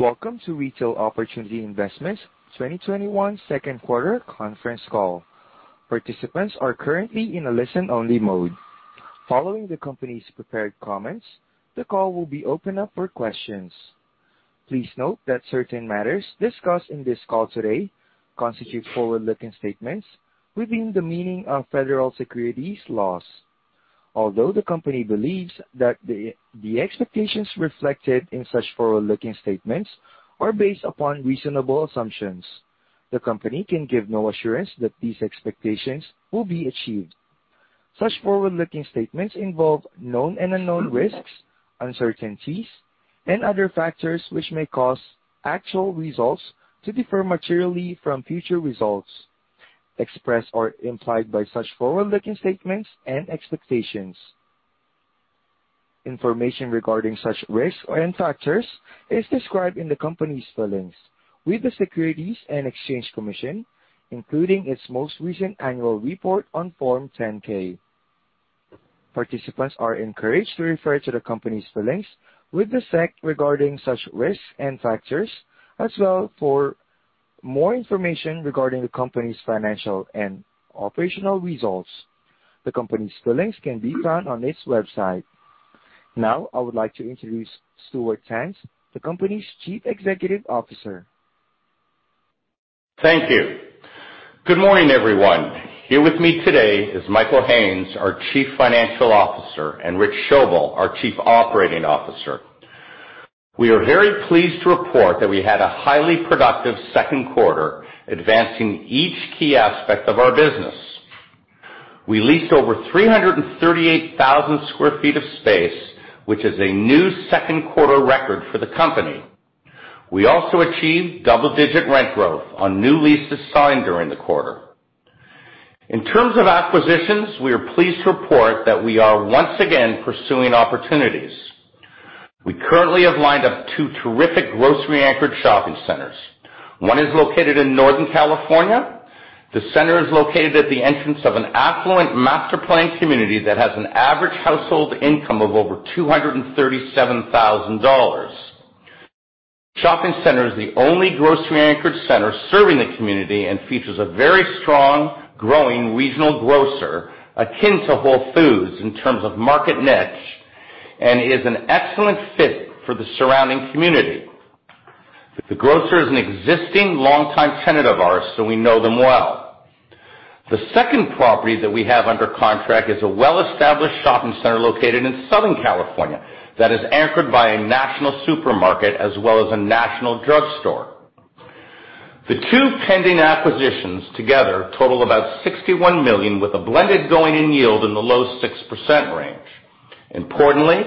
Welcome to Retail Opportunity Investments 2021 Second Quarter Conference Call. Participants are currently in a listen-only mode. Following the company's prepared comments, the call will be opened up for questions. Please note that certain matters discussed in this call today constitute forward-looking statements within the meaning of federal securities laws. Although the company believes that the expectations reflected in such forward-looking statements are based upon reasonable assumptions, the company can give no assurance that these expectations will be achieved. Such forward-looking statements involve known and unknown risks, uncertainties, and other factors which may cause actual results to differ materially from future results expressed or implied by such forward-looking statements and expectations. Information regarding such risks and factors is described in the company's filings with the Securities and Exchange Commission, including its most recent annual report on Form 10-K. Participants are encouraged to refer to the company's filings with the SEC regarding such risks and factors, as well as for more information regarding the company's financial and operational results. The company's filings can be found on its website. Now, I would like to introduce Stuart Tanz, the company's Chief Executive Officer. Thank you. Good morning, everyone. Here with me today is Michael Haines, our Chief Financial Officer, and Rich Schoebel, our Chief Operating Officer. We are very pleased to report that we had a highly productive second quarter, advancing each key aspect of our business. We leased over 338,000 sq ft of space, which is a new second quarter record for the company. We also achieved double-digit rent growth on new leases signed during the quarter. In terms of acquisitions, we are pleased to report that we are once again pursuing opportunities. We currently have lined up two terrific grocery-anchored shopping centers. One is located in Northern California. The center is located at the entrance of an affluent master-planned community that has an average household income of over $237,000. Shopping center is the only grocery-anchored center serving the community and features a very strong, growing regional grocer akin to Whole Foods in terms of market niche and is an excellent fit for the surrounding community. The grocer is an existing longtime tenant of ours, so we know them well. The second property that we have under contract is a well-established shopping center located in Southern California that is anchored by a national supermarket as well as a national drugstore. The two pending acquisitions together total about $61 million with a blended going-in yield in the low 6% range. Importantly,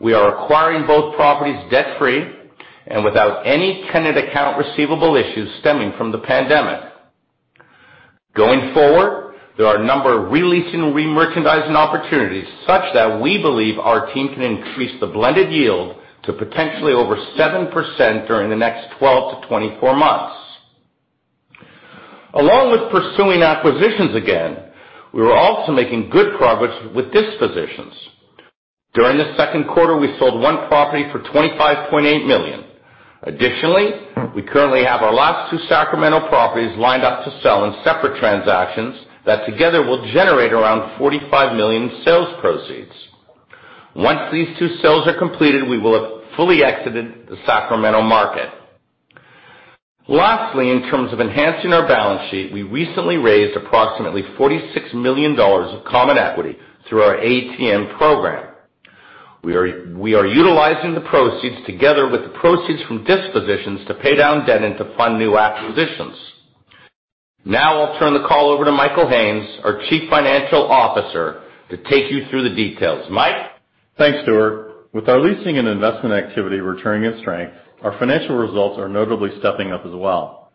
we are acquiring both properties debt-free and without any tenant account receivable issues stemming from the pandemic. Going forward, there are a number of releasing and re-merchandising opportunities such that we believe our team can increase the blended yield to potentially over 7% during the next 12-24 months. Along with pursuing acquisitions again, we are also making good progress with dispositions. During the second quarter, we sold one property for $25.8 million. Additionally, we currently have our last two Sacramento properties lined up to sell in separate transactions that together will generate around $45 million in sales proceeds. Once these two sales are completed, we will have fully exited the Sacramento market. Lastly, in terms of enhancing our balance sheet, we recently raised approximately $46 million of common equity through our ATM program. We are utilizing the proceeds together with the proceeds from dispositions to pay down debt and to fund new acquisitions. Now I'll turn the call over to Michael Haines, our Chief Financial Officer, to take you through the details. Mike? Thanks, Stuart. With our leasing and investment activity returning in strength, our financial results are notably stepping up as well.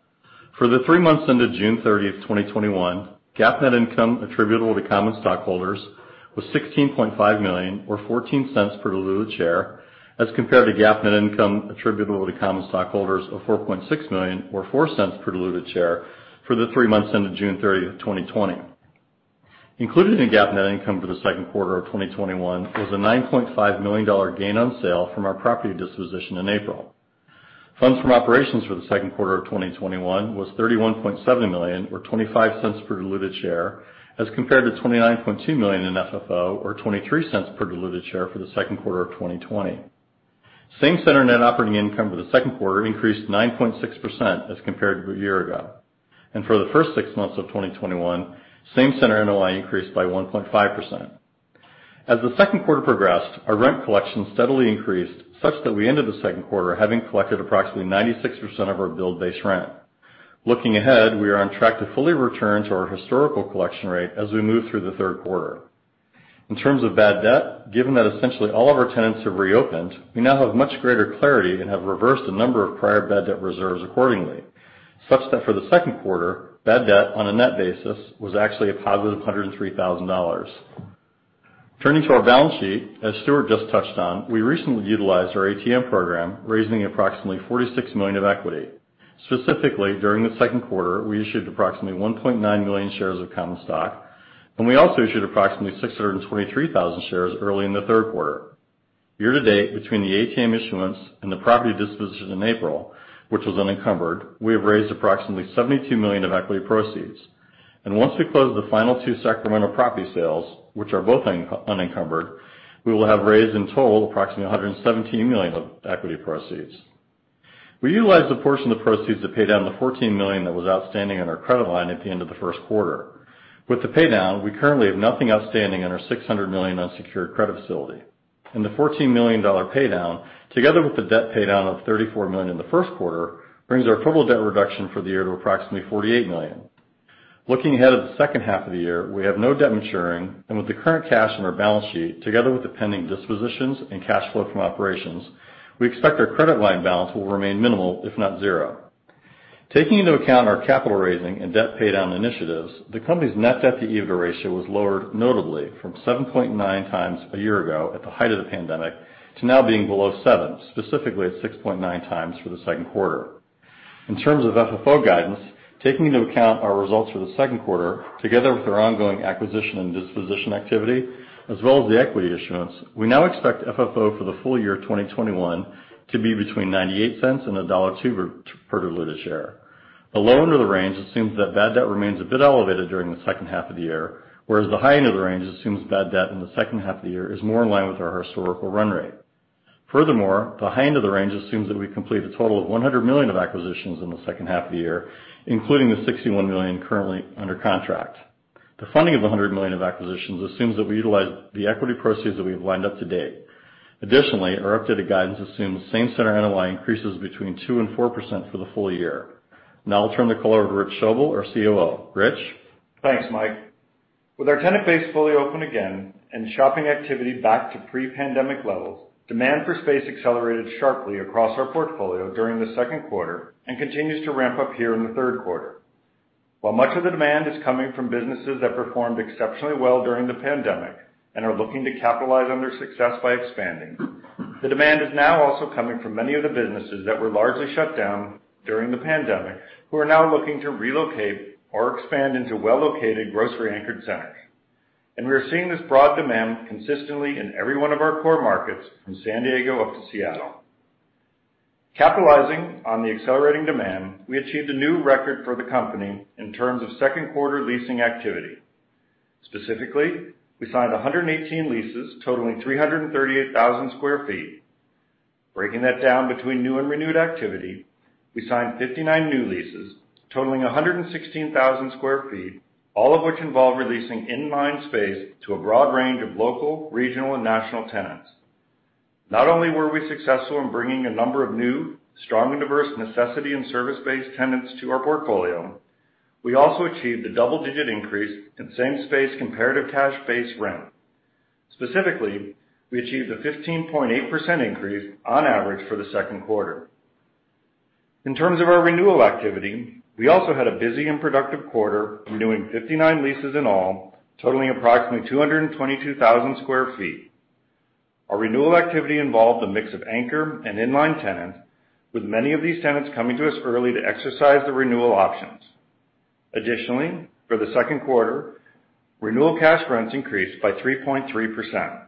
For the three months ended June 30th, 2021, GAAP net income attributable to common stockholders was $16.5 million or $0.14 per diluted share as compared to GAAP net income attributable to common stockholders of $4.6 million or $0.04 per diluted share for the three months ended June 30th, 2020. Included in GAAP net income for the second quarter of 2021 was a $9.5 million gain on sale from our property disposition in April. Funds from operations for the second quarter of 2021 was $31.7 million or $0.25 per diluted share as compared to $29.2 million in FFO or $0.23 per diluted share for the second quarter of 2020. Same-center net operating income for the second quarter increased 9.6% as compared to a year ago. For the first six months of 2021, same-center NOI increased by 1.5%. As the second quarter progressed, our rent collection steadily increased such that we ended the second quarter having collected approximately 96% of our billed base rent. Looking ahead, we are on track to fully return to our historical collection rate as we move through the third quarter. In terms of bad debt, given that essentially all of our tenants have reopened, we now have much greater clarity and have reversed a number of prior bad debt reserves accordingly, such that for the second quarter, bad debt, on a net basis, was actually a positive $103,000. Turning to our balance sheet, as Stuart just touched on, we recently utilized our ATM program, raising approximately $46 million of equity. Specifically, during the second quarter, we issued approximately 1.9 million shares of common stock, and we also issued approximately 623,000 shares early in the third quarter. Year to date, between the ATM issuance and the property disposition in April, which was unencumbered, we have raised approximately $72 million of equity proceeds. Once we close the final two Sacramento property sales, which are both unencumbered, we will have raised in total approximately $117 million of equity proceeds. We utilized a portion of the proceeds to pay down the $14 million that was outstanding on our credit line at the end of the first quarter. With the pay down, we currently have nothing outstanding on our $600 million unsecured credit facility. The $14 million pay down, together with the debt pay down of $34 million in the first quarter, brings our total debt reduction for the year to approximately $48 million. Looking ahead at the second half of the year, we have no debt maturing, and with the current cash on our balance sheet, together with the pending dispositions and cash flow from operations, we expect our credit line balance will remain minimal, if not zero. Taking into account our capital raising and debt pay down initiatives, the company's net debt-to-EBITDA ratio was lowered notably from 7.9x a year ago at the height of the pandemic to now being below 7x, specifically at 6.9x for the second quarter. In terms of FFO guidance, taking into account our results for the second quarter, together with our ongoing acquisition and disposition activity, as well as the equity issuance, we now expect FFO for the full year 2021 to be between $0.98 and $1.02 per diluted share. The low end of the range assumes that bad debt remains a bit elevated during the second half of the year, whereas the high end of the range assumes bad debt in the second half of the year is more in line with our historical run rate. The high end of the range assumes that we complete a total of $100 million of acquisitions in the second half of the year, including the $61 million currently under contract. The funding of $100 million of acquisitions assumes that we utilize the equity proceeds that we've lined up to date. Additionally, our updated guidance assumes same center NOI increases between 2% and 4% for the full year. Now, I'll turn the call over to Rich Schoebel, our COO. Rich? Thanks, Mike. With our tenant base fully open again and shopping activity back to pre-pandemic levels, demand for space accelerated sharply across our portfolio during the second quarter and continues to ramp up here in the third quarter. While much of the demand is coming from businesses that performed exceptionally well during the pandemic and are looking to capitalize on their success by expanding, the demand is now also coming from many of the businesses that were largely shut down during the pandemic, who are now looking to relocate or expand into well-located, grocery-anchored centers. We are seeing this broad demand consistently in every one of our core markets from San Diego up to Seattle. Capitalizing on the accelerating demand, we achieved a new record for the company in terms of second quarter leasing activity. Specifically, we signed 118 leases totaling 338,000 sq ft. Breaking that down between new and renewed activity, we signed 59 new leases totaling 116,000 sq ft, all of which involve releasing in-line space to a broad range of local, regional, and national tenants. Not only were we successful in bringing a number of new, strong and diverse necessity and service-based tenants to our portfolio, we also achieved a double-digit increase in same space comparative cash base rent. Specifically, we achieved a 15.8% increase on average for the second quarter. In terms of our renewal activity, we also had a busy and productive quarter, renewing 59 leases in all, totaling approximately 222,000 sq ft. Our renewal activity involved a mix of anchor and in-line tenants, with many of these tenants coming to us early to exercise the renewal options. Additionally, for the second quarter, renewal cash rents increased by 3.3%.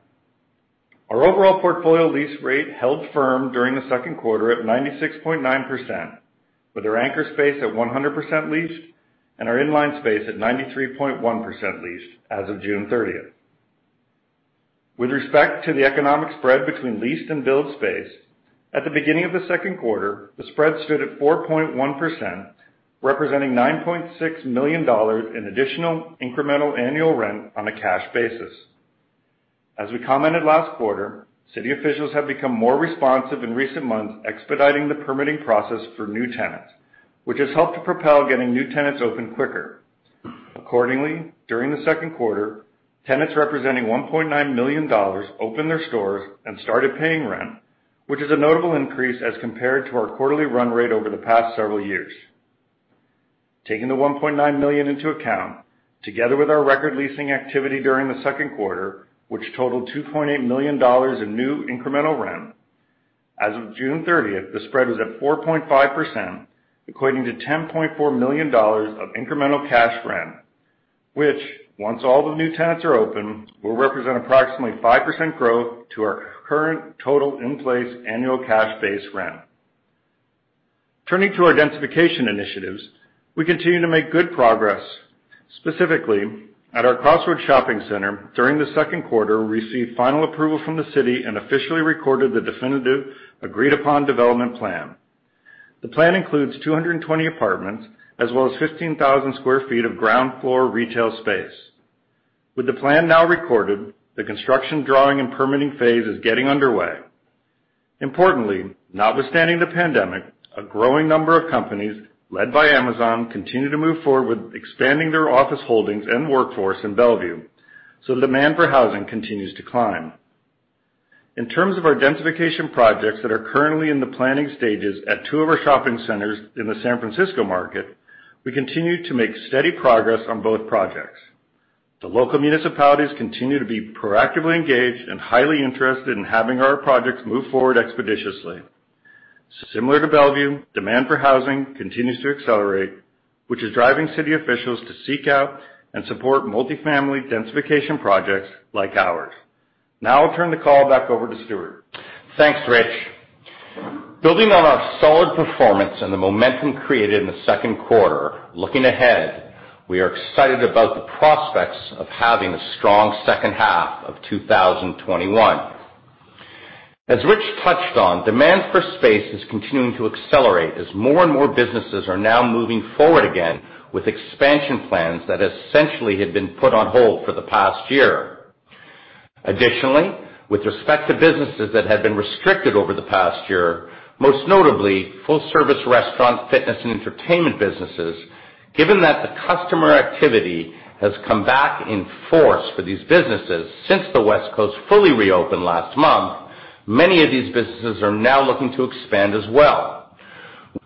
Our overall portfolio lease rate held firm during the second quarter at 96.9%, with our anchor space at 100% leased and our in-line space at 93.1% leased as of June 30th. With respect to the economic spread between leased and billed space, at the beginning of the second quarter, the spread stood at 4.1%, representing $9.6 million in additional incremental annual rent on a cash basis. As we commented last quarter, city officials have become more responsive in recent months, expediting the permitting process for new tenants, which has helped to propel getting new tenants open quicker. Accordingly, during the second quarter, tenants representing $1.9 million opened their stores and started paying rent, which is a notable increase as compared to our quarterly run rate over the past several years. Taking the $1.9 million into account, together with our record leasing activity during the second quarter, which totaled $2.8 million in new incremental rent, as of June 30th, the spread was at 4.5%, equating to $10.4 million of incremental cash rent, which once all the new tenants are open, will represent approximately 5% growth to our current total in-place annual cash base rent. Turning to our densification initiatives, we continue to make good progress. Specifically, at our Crossroads Shopping Center, during the second quarter, we received final approval from the city and officially recorded the definitive agreed-upon development plan. The plan includes 220 apartments as well as 15,000 sq ft of ground floor retail space. With the plan now recorded, the construction drawing and permitting phase is getting underway. Importantly, notwithstanding the pandemic, a growing number of companies, led by Amazon, continue to move forward with expanding their office holdings and workforce in Bellevue, so demand for housing continues to climb. In terms of our densification projects that are currently in the planning stages at two of our shopping centers in the San Francisco market, we continue to make steady progress on both projects. The local municipalities continue to be proactively engaged and highly interested in having our projects move forward expeditiously. Similar to Bellevue, demand for housing continues to accelerate, which is driving city officials to seek out and support multifamily densification projects like ours. Now I'll turn the call back over to Stuart. Thanks, Rich. Building on our solid performance and the momentum created in the second quarter, looking ahead, we are excited about the prospects of having a strong second half of 2021. As Rich touched on, demand for space is continuing to accelerate as more and more businesses are now moving forward again with expansion plans that essentially had been put on hold for the past year. Additionally, with respect to businesses that had been restricted over the past year, most notably full service restaurants, fitness and entertainment businesses, given that the customer activity has come back in force for these businesses since the West Coast fully reopened last month, many of these businesses are now looking to expand as well.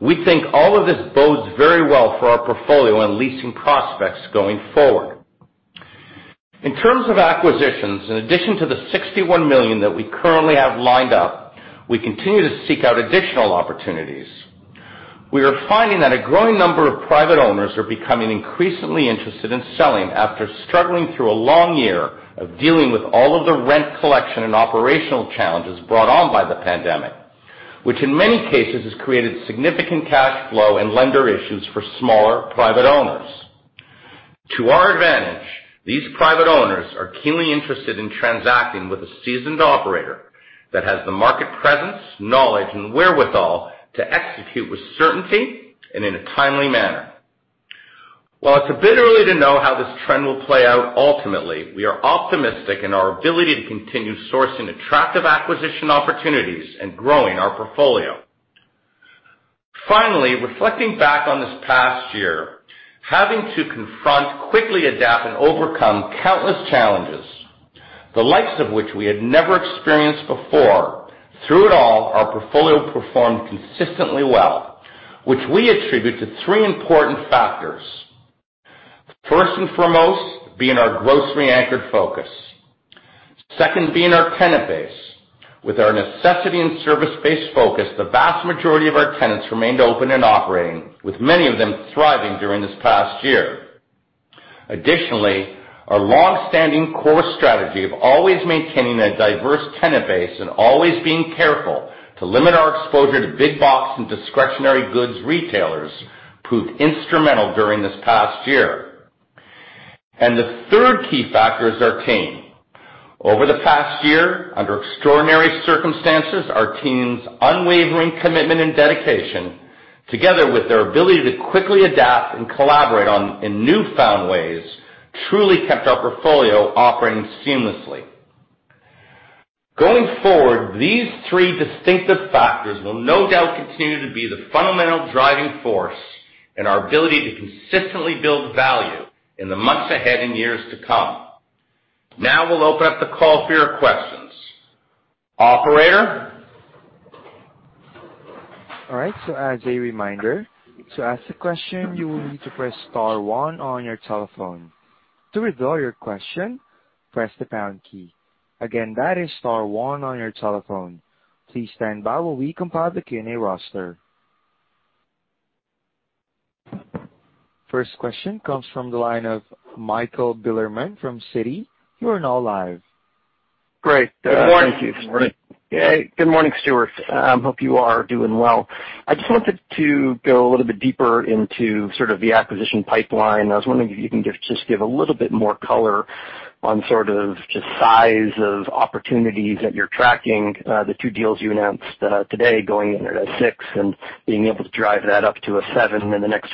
We think all of this bodes very well for our portfolio and leasing prospects going forward. In terms of acquisitions, in addition to the $61 million that we currently have lined up, we continue to seek out additional opportunities. We are finding that a growing number of private owners are becoming increasingly interested in selling after struggling through a long year of dealing with all of the rent collection and operational challenges brought on by the pandemic, which in many cases has created significant cash flow and lender issues for smaller private owners. To our advantage, these private owners are keenly interested in transacting with a seasoned operator that has the market presence, knowledge, and wherewithal to execute with certainty and in a timely manner. While it's a bit early to know how this trend will play out ultimately, we are optimistic in our ability to continue sourcing attractive acquisition opportunities and growing our portfolio. Finally, reflecting back on this past year, having to confront, quickly adapt and overcome countless challenges, the likes of which we had never experienced before. Through it all, our portfolio performed consistently well, which we attribute to three important factors. First and foremost, being our grocery-anchored focus. Second, being our tenant base. With our necessity and service-based focus, the vast majority of our tenants remained open and operating, with many of them thriving during this past year. Additionally, our longstanding core strategy of always maintaining a diverse tenant base and always being careful to limit our exposure to big box and discretionary goods retailers proved instrumental during this past year. The third key factor is our team. Over the past year, under extraordinary circumstances, our team's unwavering commitment and dedication, together with their ability to quickly adapt and collaborate in newfound ways, truly kept our portfolio operating seamlessly. Going forward, these three distinctive factors will no doubt continue to be the fundamental driving force in our ability to consistently build value in the months ahead and years to come. Now we'll open up the call for your questions. Operator? All right. As a reminder, to ask a question, you will need to press star one on your telephone. To withdraw your question, press the pound key. Again, that is star one on your telephone. Please stand by while we compile the Q&A roster. First question comes from the line of Michael Bilerman from Citi. You are now live. Great. Good morning. Good morning, Stuart. Hope you are doing well. I just wanted to go a little bit deeper into sort of the acquisition pipeline. I was wondering if you can just give a little bit more color on sort of just size of opportunities that you're tracking, the two deals you announced today, going in at a 6% and being able to drive that up to a 7% in the next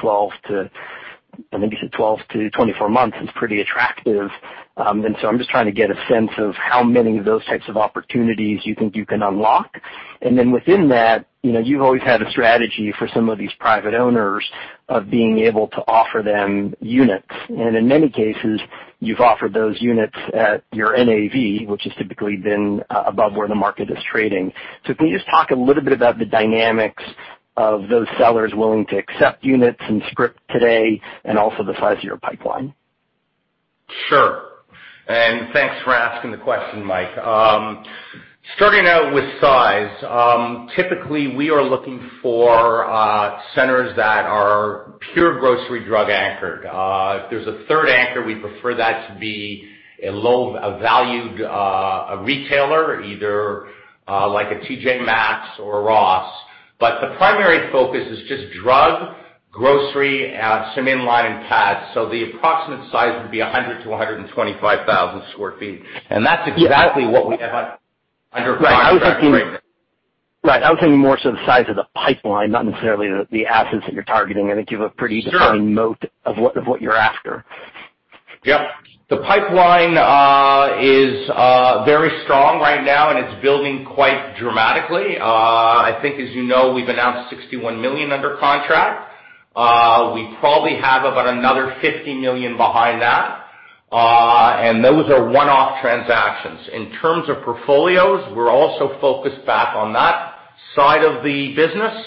12-24 months is pretty attractive. I'm just trying to get a sense of how many of those types of opportunities you think you can unlock. Within that, you've always had a strategy for some of these private owners of being able to offer them units. In many cases, you've offered those units at your NAV, which has typically been above where the market is trading. Can you just talk a little bit about the dynamics of those sellers willing to accept units and script today and also the size of your pipeline? Sure. Thanks for asking the question, Mike. Starting out with size. Typically, we are looking for centers that are pure grocery, drug anchored. If there's a third anchor, we'd prefer that to be a valued retailer, either like a TJ Maxx or a Ross. The primary focus is just drug, grocery, some in-line, and pads. The approximate size would be 100,000 sq ft to 125,000 sq ft. That's exactly what we have under contract right now. Right. I was thinking more so the size of the pipeline, not necessarily the assets that you're targeting. I think you have a pretty defined moat of what you're after. Yep. The pipeline is very strong right now, and it's building quite dramatically. I think, as you know, we've announced $61 million under contract. We probably have about another $50 million behind that. Those are one-off transactions. In terms of portfolios, we're also focused back on that side of the business.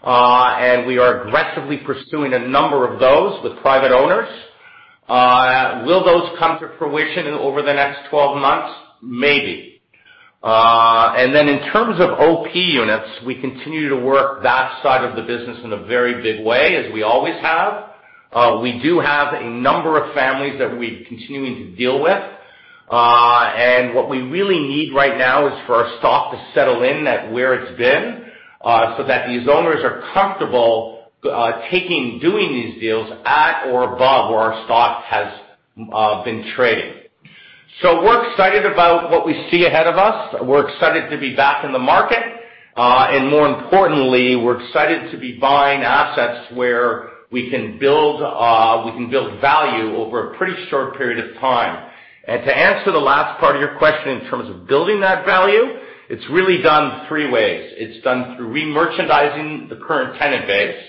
We are aggressively pursuing a number of those with private owners. Will those come to fruition over the next 12 months? Maybe. Then in terms of OP Units, we continue to work that side of the business in a very big way, as we always have. We do have a number of families that we're continuing to deal with. What we really need right now is for our stock to settle in at where it's been, so that these owners are comfortable taking, doing these deals at or above where our stock has been trading. We're excited about what we see ahead of us. We're excited to be back in the market. More importantly, we're excited to be buying assets where we can build value over a pretty short period of time. To answer the last part of your question in terms of building that value, it's really done three ways. It's done through re-merchandising the current tenant base.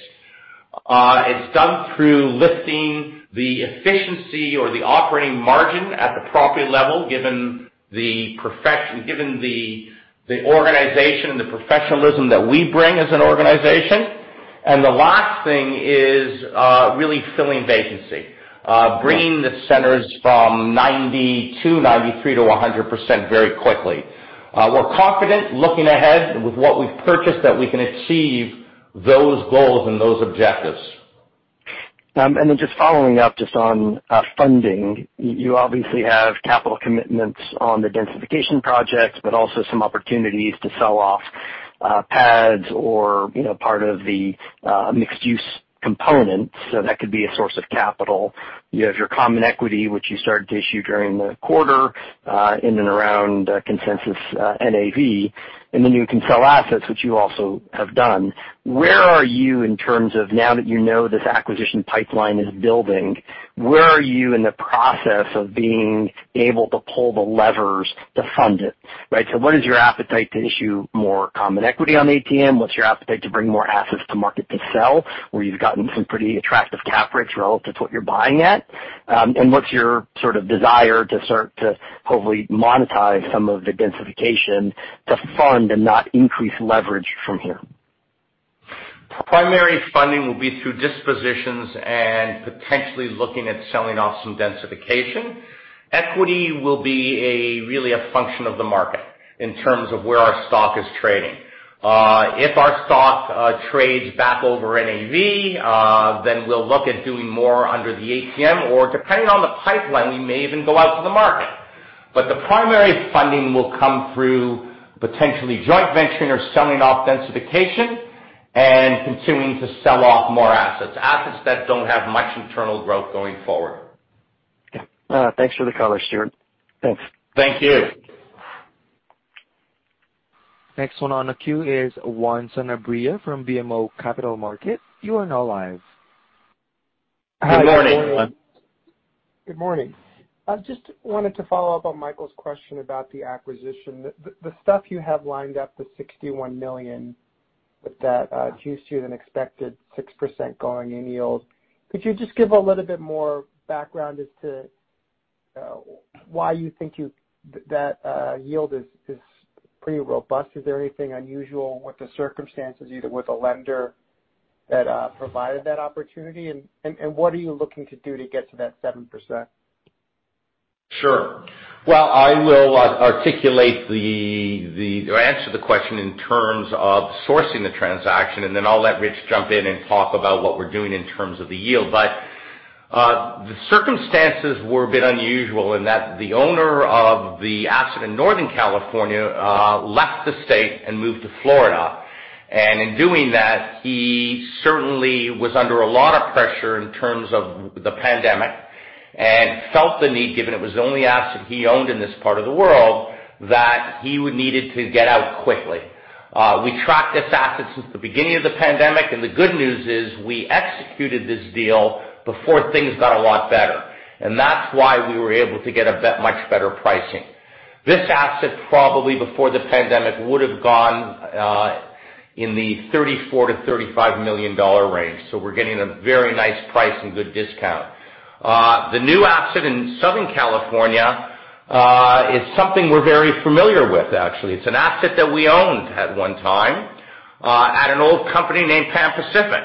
It's done through lifting the efficiency or the operating margin at the property level, given the organization and the professionalism that we bring as an organization. The last thing is, really filling vacancy. Bringing the centers from 92%, 93% to 100% very quickly. We're confident looking ahead with what we've purchased, that we can achieve those goals and those objectives. Then just following up just on funding. You obviously have capital commitments on the densification projects, but also some opportunities to sell off pads or part of the mixed-use component. That could be a source of capital. You have your common equity, which you started to issue during the quarter, in and around consensus NAV. You can sell assets, which you also have done. Where are you in terms of now that you know this acquisition pipeline is building, where are you in the process of being able to pull the levers to fund it, right? What is your appetite to issue more common equity on the ATM? What's your appetite to bring more assets to market to sell, where you've gotten some pretty attractive cap rates relative to what you're buying at? What's your sort of desire to start to hopefully monetize some of the densification to fund and not increase leverage from here? Primary funding will be through dispositions and potentially looking at selling off some densification. Equity will be really a function of the market in terms of where our stock is trading. If our stock trades back over NAV, then we'll look at doing more under the ATM, or depending on the pipeline, we may even go out to the market. The primary funding will come through potentially joint venturing or selling off densification and continuing to sell off more assets that don't have much internal growth going forward. Okay. Thanks for the color, Stuart. Thanks. Thank you. Next one on the queue is Juan Sanabria from BMO Capital Markets. You are now live. Good morning, Juan. Good morning. I just wanted to follow up on Michael's question about the acquisition. The stuff you have lined up, the $61 million with that juice to an expected 6% going in yield. Could you just give a little bit more background as to why you think that yield is pretty robust? Is there anything unusual with the circumstances, either with a lender that provided that opportunity? What are you looking to do to get to that 7%? Sure. Well, I will articulate or answer the question in terms of sourcing the transaction, and then I'll let Rich jump in and talk about what we're doing in terms of the yield. The circumstances were a bit unusual in that the owner of the asset in Northern California left the state and moved to Florida. In doing that, he certainly was under a lot of pressure in terms of the pandemic, and felt the need, given it was the only asset he owned in this part of the world, that he would needed to get out quickly. We tracked this asset since the beginning of the pandemic, and the good news is we executed this deal before things got a lot better. That's why we were able to get a much better pricing. This asset probably before the pandemic, would've gone in the $34 million-$35 million range. We're getting a very nice price and good discount. The new asset in Southern California is something we're very familiar with, actually. It's an asset that we owned at one time at an old company named Pan Pacific.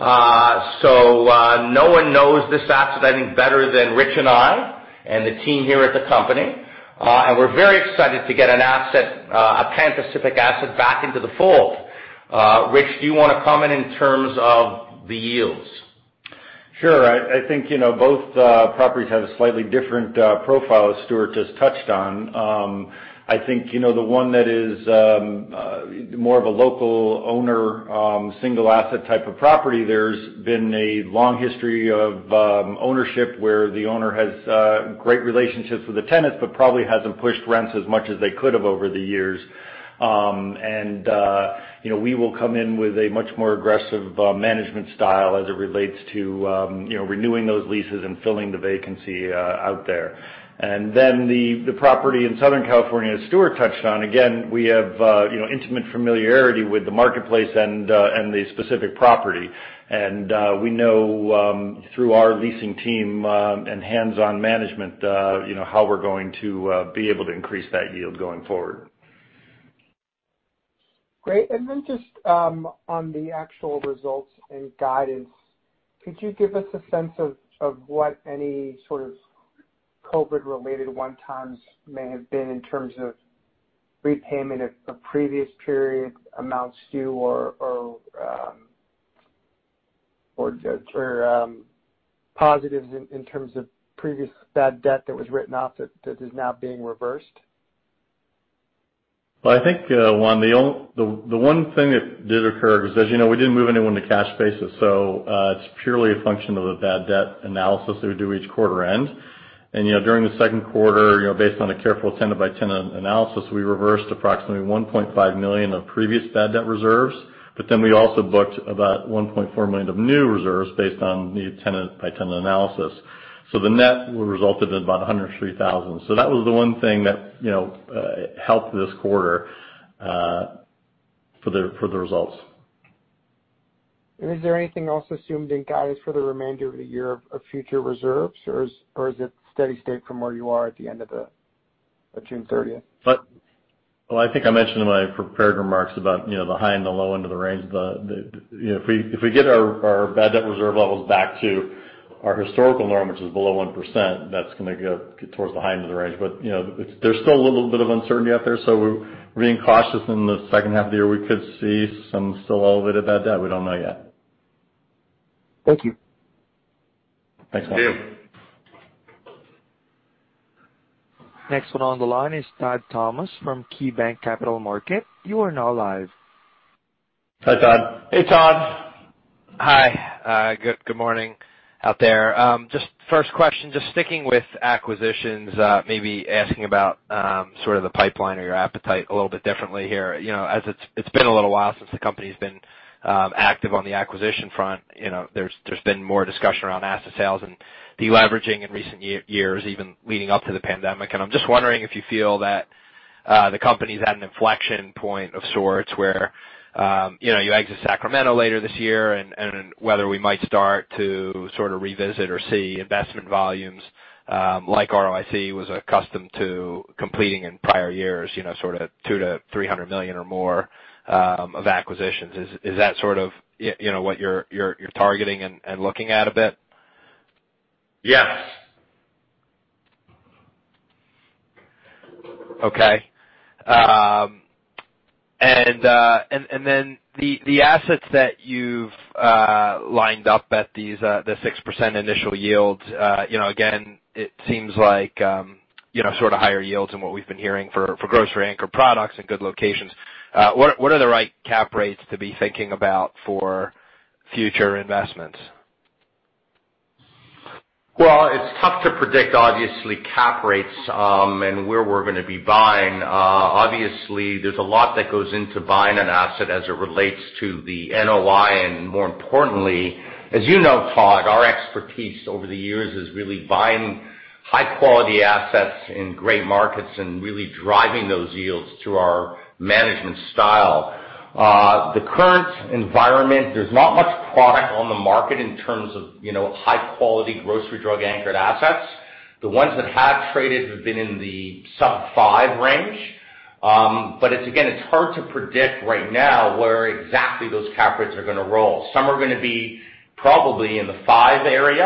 No one knows this asset, I think, better than Rich and I and the team here at the company. We're very excited to get an asset, a Pan Pacific asset back into the fold. Rich, do you want to comment in terms of the yields? Sure. I think both properties have slightly different profiles Stuart just touched on. I think the one that is more of a local owner, single asset type of property, there's been a long history of ownership where the owner has great relationships with the tenants but probably hasn't pushed rents as much as they could have over the years. We will come in with a much more aggressive management style as it relates to renewing those leases and filling the vacancy out there. Then the property in Southern California, as Stuart touched on, again, we have intimate familiarity with the marketplace and the specific property. We know through our leasing team and hands-on management how we're going to be able to increase that yield going forward. Great. Then just on the actual results and guidance, could you give us a sense of what any sort of COVID related one-times may have been in terms of repayment of previous period amounts due or positives in terms of previous bad debt that was written off that is now being reversed? Well, I think, one, the one thing that did occur was, as you know, we didn't move anyone to cash basis. It's purely a function of the bad debt analysis that we do each quarter end. During the second quarter, based on a careful tenant-by-tenant analysis, we reversed approximately $1.5 million of previous bad debt reserves. We also booked about $1.4 million of new reserves based on the tenant-by-tenant analysis. The net resulted in about $103,000. That was the one thing that helped this quarter for the results. Is there anything else assumed in guidance for the remainder of the year of future reserves, or is it steady state from where you are at the end of June 30th? Well, I think I mentioned in my prepared remarks about the high and the low end of the range. If we get our bad debt reserve levels back to our historical norm, which is below 1%, that's going to go towards the high end of the range. There's still a little bit of uncertainty out there, so we're being cautious in the second half of the year. We could see some still a little bit of bad debt. We don't know yet. Thank you. Thanks. Thank you. Next one on the line is Todd Thomas from KeyBanc Capital Markets. Hi, Todd. Hey, Todd. Hi. Good morning out there. Just first question, just sticking with acquisitions, maybe asking about sort of the pipeline or your appetite a little bit differently here. As it's been a little while since the company's been active on the acquisition front, there's been more discussion around asset sales and deleveraging in recent years, even leading up to the pandemic. I'm just wondering if you feel that the company's at an inflection point of sorts where you exit Sacramento later this year and whether we might start to sort of revisit or see investment volumes like ROIC was accustomed to completing in prior years, sort of $200 million-$300 million or more of acquisitions. Is that sort of what you're targeting and looking at a bit? Yes. Okay. Then the assets that you've lined up at the 6% initial yield, again, it seems like sort of higher yields than what we've been hearing for grocery anchor products and good locations. What are the right cap rates to be thinking about for future investments? Well, it's tough to predict, obviously, cap rates, and where we're going to be buying. Obviously, there's a lot that goes into buying an asset as it relates to the NOI, and more importantly, as you know, Todd, our expertise over the years is really buying high-quality assets in great markets and really driving those yields through our management style. The current environment, there's not much product on the market in terms of high-quality grocery, drug anchored assets. The ones that have traded have been in the sub 5% range. Again, it's hard to predict right now where exactly those cap rates are going to roll. Some are going to be probably in the five area,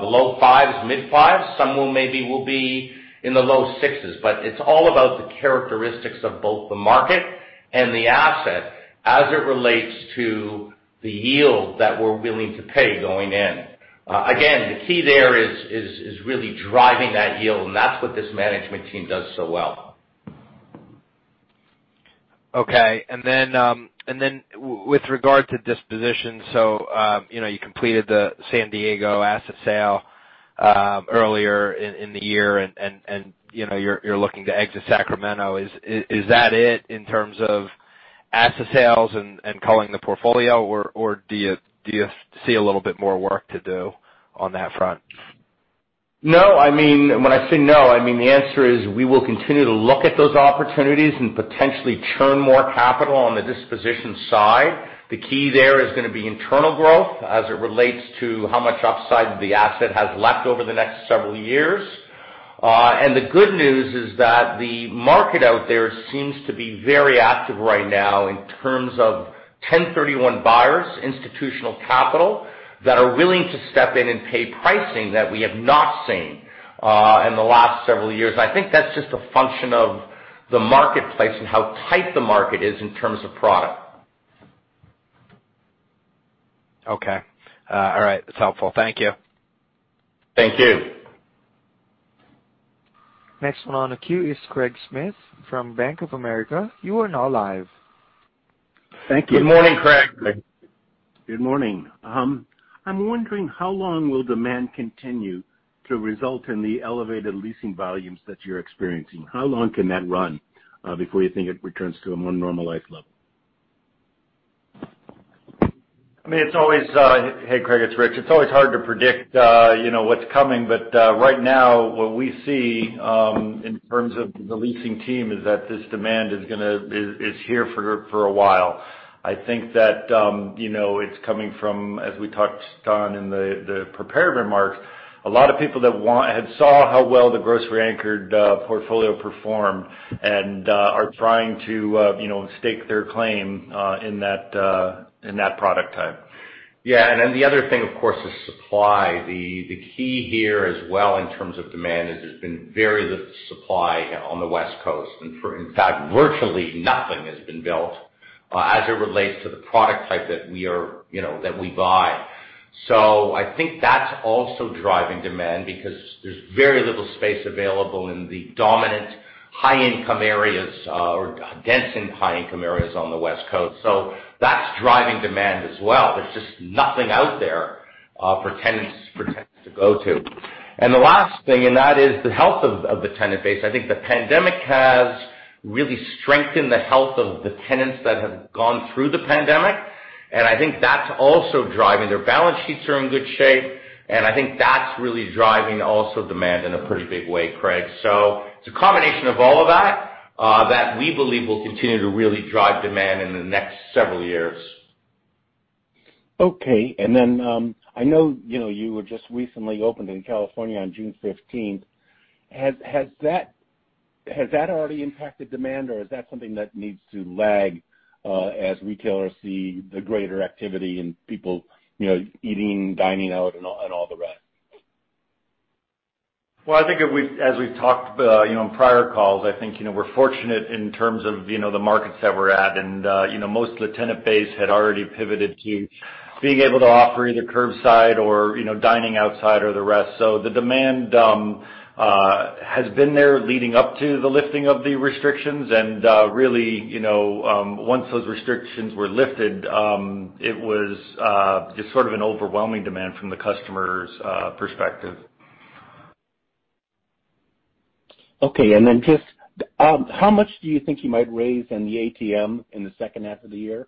the low 5s, mid 5s. Some maybe will be in the low 6s. It's all about the characteristics of both the market and the asset as it relates to the yield that we're willing to pay going in. Again, the key there is really driving that yield, and that's what this management team does so well. Okay. With regard to disposition, so you completed the San Diego asset sale earlier in the year and you're looking to exit Sacramento. Is that it in terms of asset sales and culling the portfolio, or do you see a little bit more work to do on that front? No. When I say no, I mean the answer is we will continue to look at those opportunities and potentially churn more capital on the disposition side. The key there is going to be internal growth as it relates to how much upside the asset has left over the next several years. The good news is that the market out there seems to be very active right now in terms of 1031 buyers, institutional capital, that are willing to step in and pay pricing that we have not seen in the last several years. I think that's just a function of the marketplace and how tight the market is in terms of product. Okay. All right. That's helpful. Thank you. Thank you. Next one on the queue is Craig Schmidt from Bank of America. You are now live. Thank you. Good morning, Craig. Good morning. I'm wondering how long will demand continue to result in the elevated leasing volumes that you're experiencing. How long can that run before you think it returns to a more normalized level? Hey, Craig, it's Rich. It's always hard to predict what's coming, but right now what we see in terms of the leasing team is that this demand is here for a while. I think that it's coming from, as we touched on in the prepared remarks, a lot of people that had saw how well the grocery-anchored portfolio performed and are trying to stake their claim in that product type. Yeah. The other thing, of course, is supply. The key here as well in terms of demand is there's been very little supply on the West Coast. In fact, virtually nothing has been built as it relates to the product type that we buy. I think that's also driving demand because there's very little space available in the dominant high-income areas or dense and high-income areas on the West Coast. That's driving demand as well. There's just nothing out there for tenants to go to. The last thing, and that is the health of the tenant base. I think the pandemic has really strengthened the health of the tenants that have gone through the pandemic. I think that's also driving. Their balance sheets are in good shape, and I think that's really driving also demand in a pretty big way, Craig. It's a combination of all of that we believe will continue to really drive demand in the next several years. Okay. I know you were just recently opened in California on June 15th. Has that already impacted demand, or is that something that needs to lag, as retailers see the greater activity and people eating, dining out and all the rest? I think as we've talked on prior calls, I think, we're fortunate in terms of the markets that we're at. Most of the tenant base had already pivoted to being able to offer either curbside or dining outside or the rest. The demand has been there leading up to the lifting of the restrictions. Really, once those restrictions were lifted, it was just sort of an overwhelming demand from the customer's perspective. Okay. Just, how much do you think you might raise in the ATM in the second half of the year?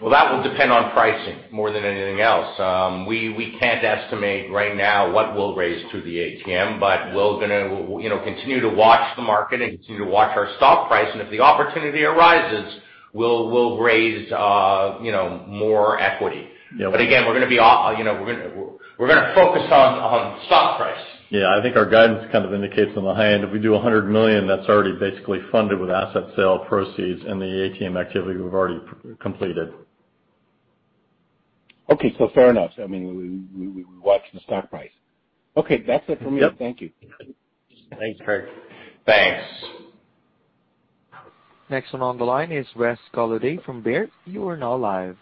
Well, that will depend on pricing more than anything else. We can't estimate right now what we'll raise through the ATM, but we're going to continue to watch the market and continue to watch our stock price. If the opportunity arises, we'll raise more equity. Yeah. Okay. Again, we're going to focus on stock price. Yeah. I think our guidance kind of indicates on the high end, if we do $100 million, that's already basically funded with asset sale proceeds and the ATM activity we've already completed. Okay. Fair enough. We watch the stock price. Okay. That's it for me. Thank you. Thanks, Craig. Thanks. Next one on the line is Wes Golladay from Baird. You are now live.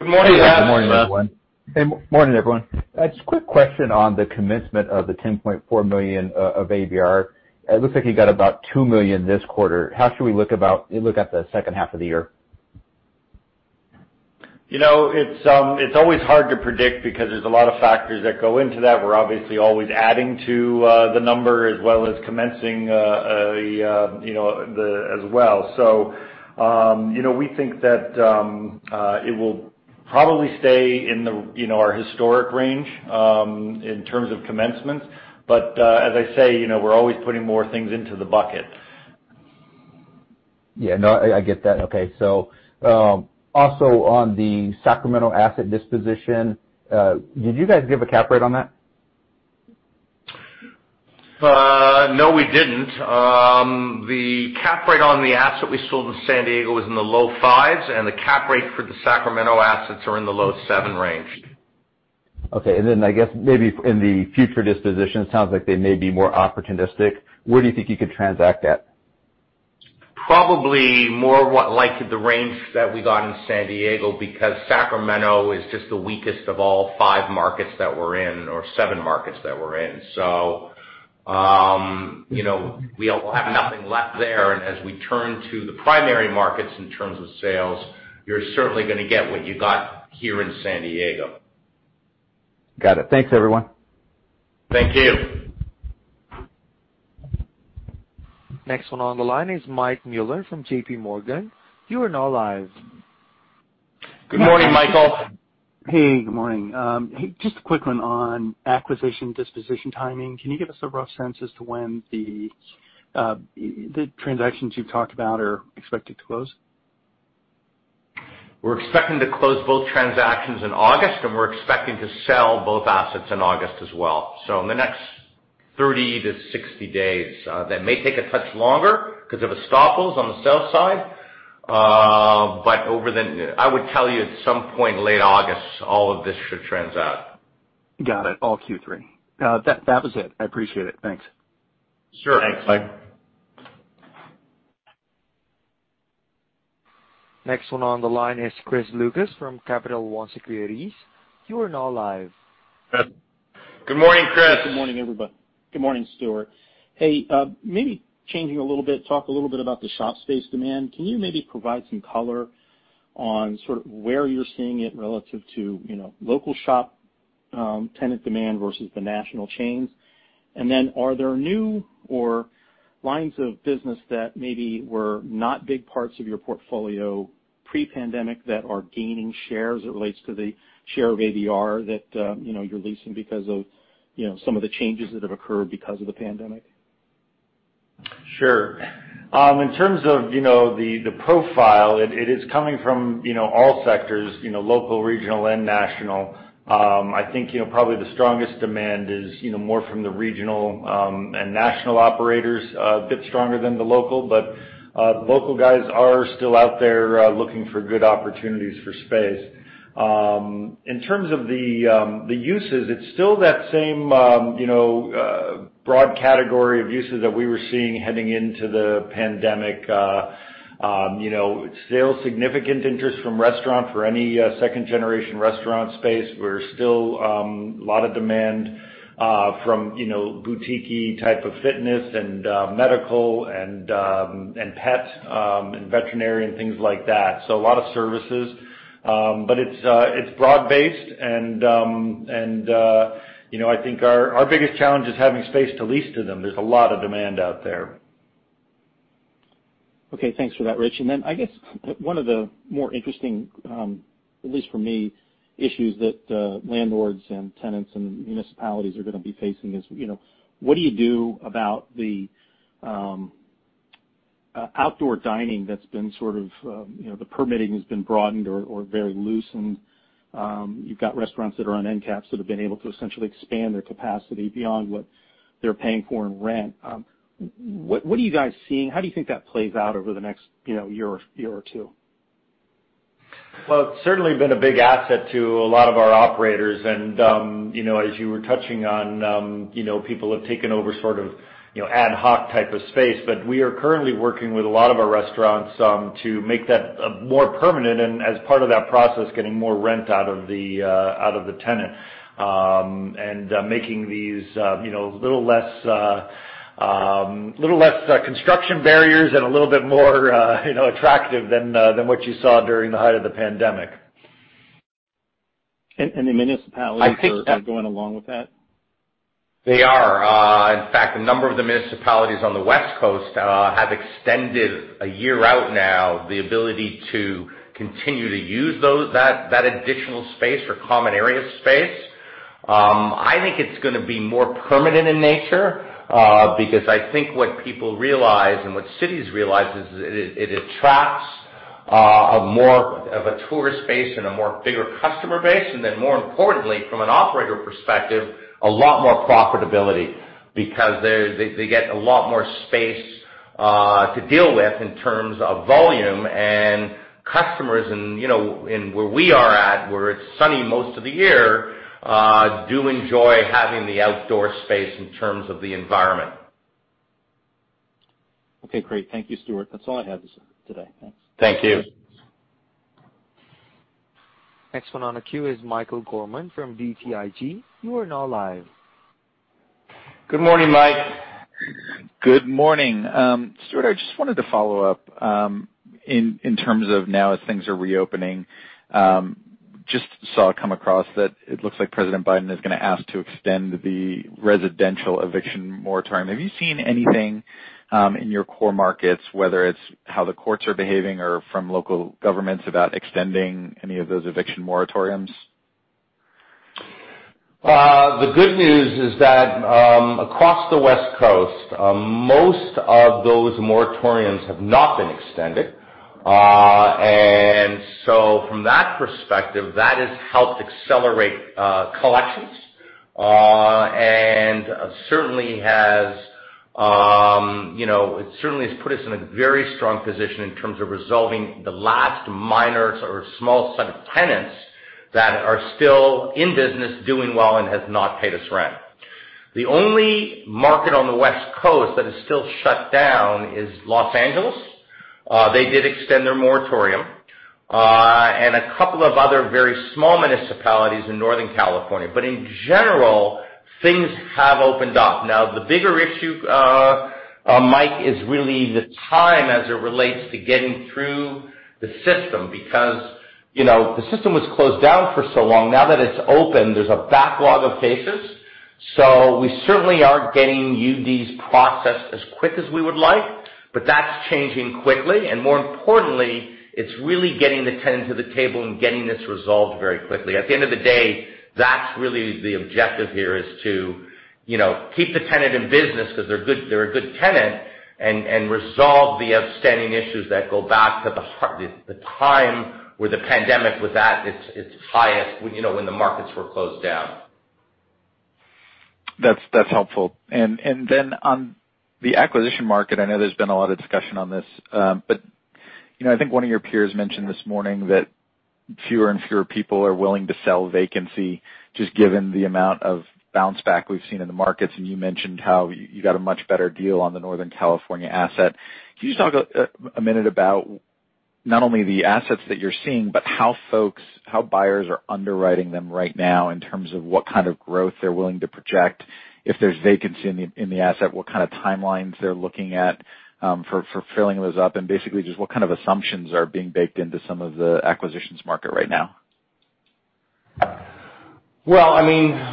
Good morning, Wes. Good morning, Wes. Hey. Morning, everyone. Just a quick question on the commencement of the $10.4 million of ABR. It looks like you got about $2 million this quarter. How should we look at the second half of the year? It's always hard to predict because there's a lot of factors that go into that. We're obviously always adding to the number as well as commencing as well. We think that it will probably stay in our historic range, in terms of commencement. As I say, we're always putting more things into the bucket. Yeah. No, I get that. Okay. Also on the Sacramento asset disposition, did you guys give a cap rate on that? No, we didn't. The cap rate on the asset we sold in San Diego was in the low fives, and the cap rate for the Sacramento assets are in the low 7 range. Okay. I guess maybe in the future dispositions, sounds like they may be more opportunistic. Where do you think you could transact at? Probably more like the range that we got in San Diego, because Sacramento is just the weakest of all five markets that we're in or seven markets that we're in. We have nothing left there. As we turn to the primary markets in terms of sales, you're certainly going to get what you got here in San Diego. Got it. Thanks, everyone. Thank you. Next one on the line is Mike Mueller from JPMorgan. You are now live. Good morning, Michael. Hey, good morning. Hey, just a quick one on acquisition disposition timing. Can you give us a rough sense as to when the transactions you've talked about are expected to close? We're expecting to close both transactions in August. We're expecting to sell both assets in August as well. In the next 30 to 60 days. That may take a touch longer because of the estoppels on the sell side. Over the I would tell you at some point late August, all of this should transact. Got it. All Q3. That was it. I appreciate it. Thanks. Sure. Thanks, Mike. Next one on the line is Chris Lucas from Capital One Securities. You are now live. Good morning, Chris. Good morning, everybody. Good morning, Stuart. Hey, maybe changing a little bit, talk a little bit about the shop space demand. Can you maybe provide some color on sort of where you're seeing it relative to local shop, tenant demand versus the national chains? Are there new or lines of business that maybe were not big parts of your portfolio pre-pandemic that are gaining shares as it relates to the share of ABR that you're leasing because of some of the changes that have occurred because of the pandemic? Sure. In terms of the profile, it is coming from all sectors, local, regional, and national. I think, probably the strongest demand is more from the regional and national operators, a bit stronger than the local. Local guys are still out there looking for good opportunities for space. In terms of the uses, it's still that same broad category of uses that we were seeing heading into the pandemic. Still significant interest from restaurant for any second-generation restaurant space. Where still lot of demand from boutiquey type of fitness and medical and pet, and veterinarian, things like that. A lot of services. It's broad based and I think our biggest challenge is having space to lease to them. There's a lot of demand out there. Thanks for that, Rich. I guess one of the more interesting, at least for me, issues that landlords and tenants and municipalities are going to be facing is, what do you do about the outdoor dining that's been sort of the permitting has been broadened or very loosened. You've got restaurants that are on end caps that have been able to essentially expand their capacity beyond what they're paying for in rent. What are you guys seeing? How do you think that plays out over the next year or two? Well, it's certainly been a big asset to a lot of our operators and as you were touching on, people have taken over sort of ad hoc type of space. We are currently working with a lot of our restaurants, to make that more permanent and as part of that process, getting more rent out of the tenant, and making these little less construction barriers and a little bit more attractive than what you saw during the height of the pandemic. The municipalities are going along with that? They are. In fact, a number of the municipalities on the West Coast, have extended a year out now, the ability to continue to use that additional space or common area space. I think it's going to be more permanent in nature, because I think what people realize and what cities realize is it attracts a more of a tourist base and a more bigger customer base. More importantly, from an operator perspective, a lot more profitability because they get a lot more space to deal with in terms of volume and customers and where we are at, where it's sunny most of the year, do enjoy having the outdoor space in terms of the environment. Okay, great. Thank you, Stuart. That's all I have today. Thanks. Thank you. Next one on the queue is Michael Gorman from BTIG. You are now live. Good morning, Mike. Good morning. Stuart, I just wanted to follow up, in terms of now as things are reopening. Just saw it come across that it looks like President Biden is going to ask to extend the residential eviction moratorium. Have you seen anything, in your core markets, whether it's how the courts are behaving or from local governments about extending any of those eviction moratoriums? The good news is that, across the West Coast, most of those moratoriums have not been extended. From that perspective, that has helped accelerate collections, and it certainly has put us in a very strong position in terms of resolving the last minor or small set of tenants that are still in business doing well and has not paid us rent. The only market on the West Coast that is still shut down is Los Angeles. They did extend their moratorium, and couple of other very small municipalities in Northern California. In general, things have opened up. Now, the bigger issue, Mike, is really the time as it relates to getting through the system, because the system was closed down for so long. Now that it's open, there's a backlog of cases. We certainly aren't getting UDs processed as quick as we would like, but that's changing quickly. More importantly, it's really getting the tenant to the table and getting this resolved very quickly. At the end of the day, that's really the objective here, is to keep the tenant in business because they're a good tenant, and resolve the outstanding issues that go back to the time where the pandemic was at its highest, when the markets were closed down. That's helpful. On the acquisition market, I know there's been a lot of discussion on this. I think one of your peers mentioned this morning that fewer and fewer people are willing to sell vacancy, just given the amount of bounce back we've seen in the markets, and you mentioned how you got a much better deal on the Northern California asset. Can you just talk a minute about not only the assets that you're seeing, but how buyers are underwriting them right now in terms of what kind of growth they're willing to project? If there's vacancy in the asset, what kind of timelines they're looking at for filling those up, and basically just what kind of assumptions are being baked into some of the acquisitions market right now?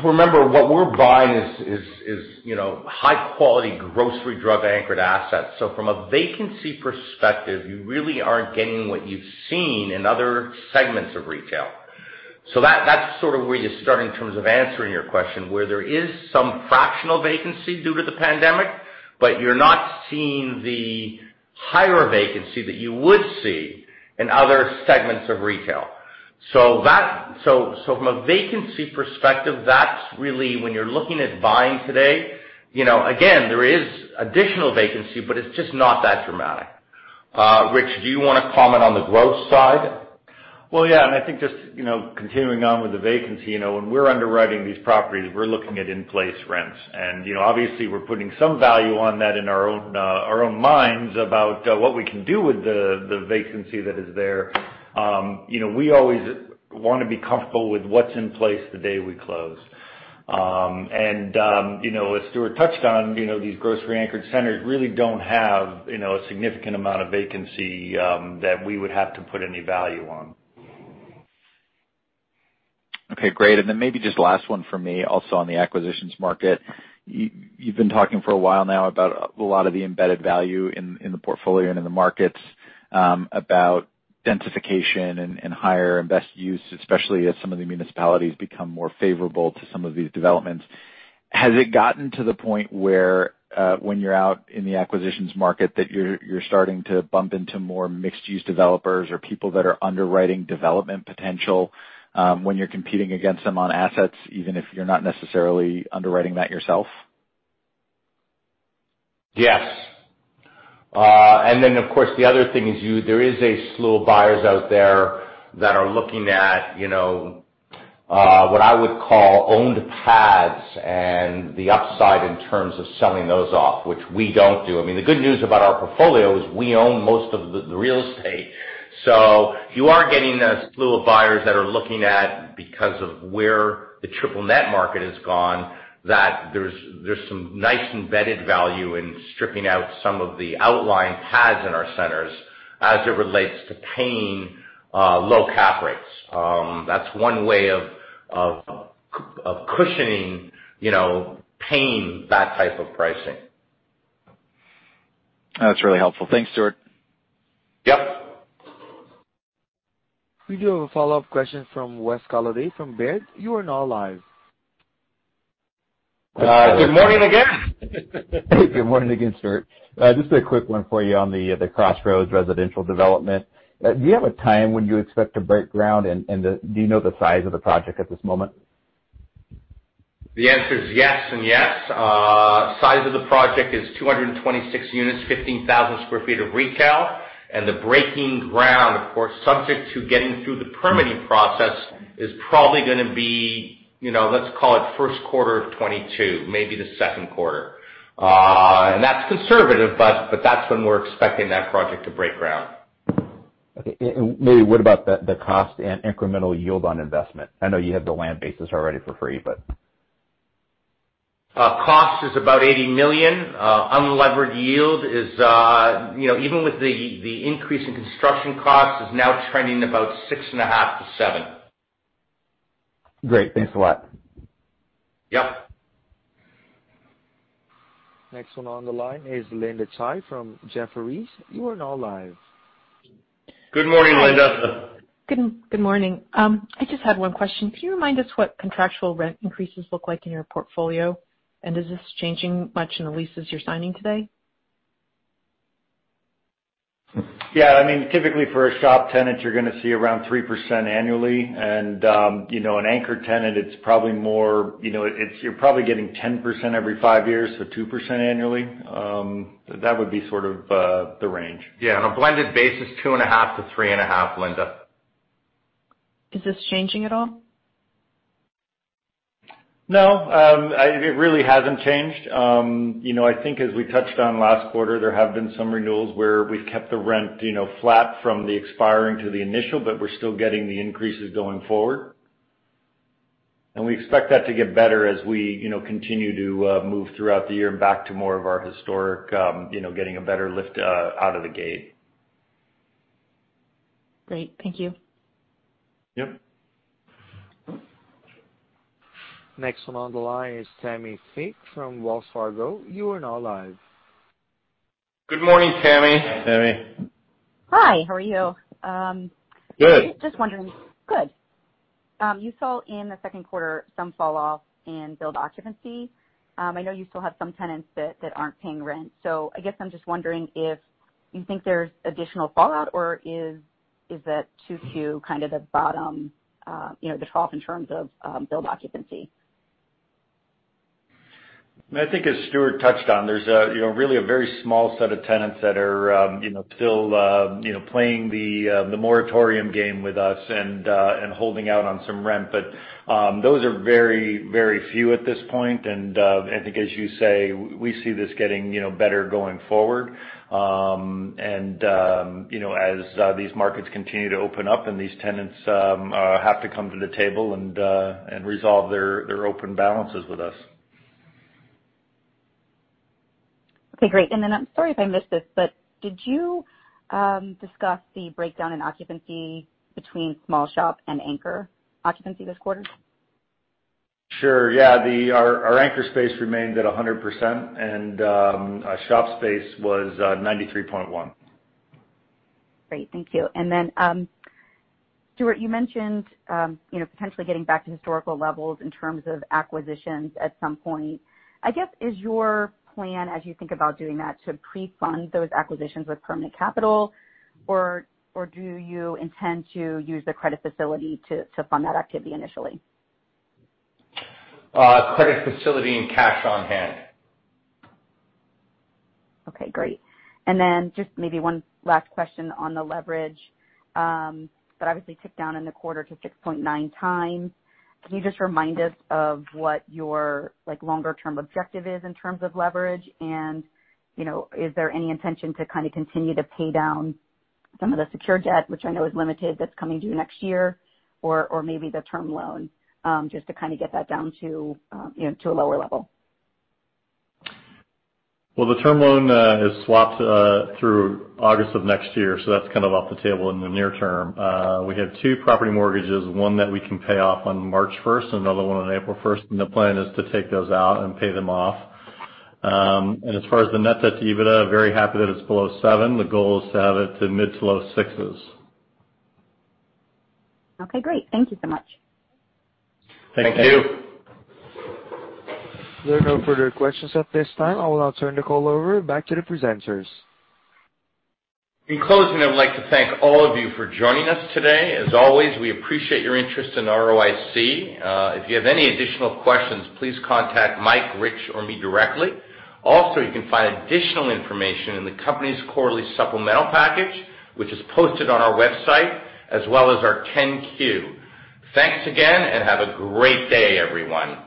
Remember what we're buying is high quality grocery drug anchored assets. From a vacancy perspective, you really aren't getting what you've seen in other segments of retail. That's sort of where you start in terms of answering your question, where there is some fractional vacancy due to the pandemic, but you're not seeing the higher vacancy that you would see in other segments of retail. From a vacancy perspective, that's really when you're looking at buying today, again, there is additional vacancy, but it's just not that dramatic. Rich, do you want to comment on the growth side? Well, yeah. I think just continuing on with the vacancy, when we're underwriting these properties, we're looking at in-place rents. Obviously we're putting some value on that in our own minds about what we can do with the vacancy that is there. We always want to be comfortable with what's in place the day we close. As Stuart touched on, these grocery-anchored centers really don't have a significant amount of vacancy that we would have to put any value on. Okay, great. Maybe just last one from me also on the acquisitions market. You've been talking for a while now about a lot of the embedded value in the portfolio and in the markets, about densification and higher and best use, especially as some of the municipalities become more favorable to some of these developments. Has it gotten to the point where, when you're out in the acquisitions market, that you're starting to bump into more mixed-use developers or people that are underwriting development potential, when you're competing against them on assets, even if you're not necessarily underwriting that yourself? Yes. Of course, the other thing is there is a slew of buyers out there that are looking at, what I would call owned pads and the upside in terms of selling those off, which we don't do. The good news about our portfolio is we own most of the real estate. You are getting a slew of buyers that are looking at, because of where the triple net market has gone, that there's some nice embedded value in stripping out some of the outlying pads in our centers as it relates to paying low cap rates. That's one way of cushioning, paying that type of pricing. That's really helpful. Thanks, Stuart. Yep. We do have a follow-up question from Wes Golladay from Baird. Good morning again. Good morning again, Stuart. Just a quick one for you on the Crossroads residential development. Do you have a time when you expect to break ground, and do you know the size of the project at this moment? The answer is yes and yes. Size of the project is 226 units, 15,000 sq ft of retail. The breaking ground, of course, subject to getting through the permitting process, is probably going to be, let's call it first quarter of 2022, maybe the second quarter. That's conservative, but that's when we're expecting that project to break ground. Okay. Maybe what about the cost and incremental yield on investment? I know you have the land basis already for free. Cost is about $80 million. Unlevered yield is, even with the increase in construction costs, is now trending about 6.5%-7%. Great. Thanks a lot. Yep. Next one on the line is Linda Tsai from Jefferies. You are now live. Good morning, Linda. Good morning. I just had one question. Can you remind us what contractual rent increases look like in your portfolio? Is this changing much in the leases you're signing today? Yeah. Typically, for a shop tenant, you're going to see around 3% annually. An anchor tenant, you're probably getting 10% every five years, so 2% annually. That would be sort of the range. Yeah, on a blended basis, 2.5%-3.5%, Linda. Is this changing at all? No, it really hasn't changed. I think as we touched on last quarter, there have been some renewals where we've kept the rent flat from the expiring to the initial, but we're still getting the increases going forward. We expect that to get better as we continue to move throughout the year and back to more of our historic, getting a better lift out of the gate. Great. Thank you. Yep. Next one on the line is Tammi Fique from Wells Fargo. You are now live. Good morning, Tammi. Hey, Tammi. Hi, how are you? Good. Good. You saw in the second quarter some fall off in billed occupancy. I know you still have some tenants that aren't paying rent. I guess I'm just wondering if you think there's additional fallout, or is that too few, kind of the bottom, the trough in terms of billed occupancy? I think as Stuart touched on, there's really a very small set of tenants that are still playing the moratorium game with us and holding out on some rent. Those are very, very few at this point. I think as you say, we see this getting better going forward. As these markets continue to open up and these tenants have to come to the table and resolve their open balances with us. Okay, great. Then I'm sorry if I missed this, but did you discuss the breakdown in occupancy between small shop and anchor occupancy this quarter? Sure, yeah. Our anchor space remained at 100%, and our shop space was 93.1%. Great. Thank you. Then, Stuart, you mentioned potentially getting back to historical levels in terms of acquisitions at some point. I guess, is your plan, as you think about doing that, to pre-fund those acquisitions with permanent capital, or do you intend to use the credit facility to fund that activity initially? Credit facility and cash on hand. Okay, great. Then just maybe one last question on the leverage that obviously ticked down in the quarter to 6.9x. Can you just remind us of what your longer-term objective is in terms of leverage? Is there any intention to kind of continue to pay down some of the secure debt, which I know is limited, that's coming due next year? Or maybe the term loan, just to kind of get that down to a lower level. Well, the term loan is swapped through August of next year, so that's kind of off the table in the near term. We have two property mortgages, one that we can pay off on March 1st and another one on April 1st, and the plan is to take those out and pay them off. As far as the net debt to EBITDA, very happy that it's below 7x. The goal is to have it to mid to low 6s. Okay, great. Thank you so much. Thank you. There are no further questions at this time. I will now turn the call over back to the presenters. In closing, I would like to thank all of you for joining us today. As always, we appreciate your interest in ROIC. If you have any additional questions, please contact Mike, Rich, or me directly. Also, you can find additional information in the company's quarterly supplemental package, which is posted on our website, as well as our 10-Q. Thanks again, and have a great day, everyone.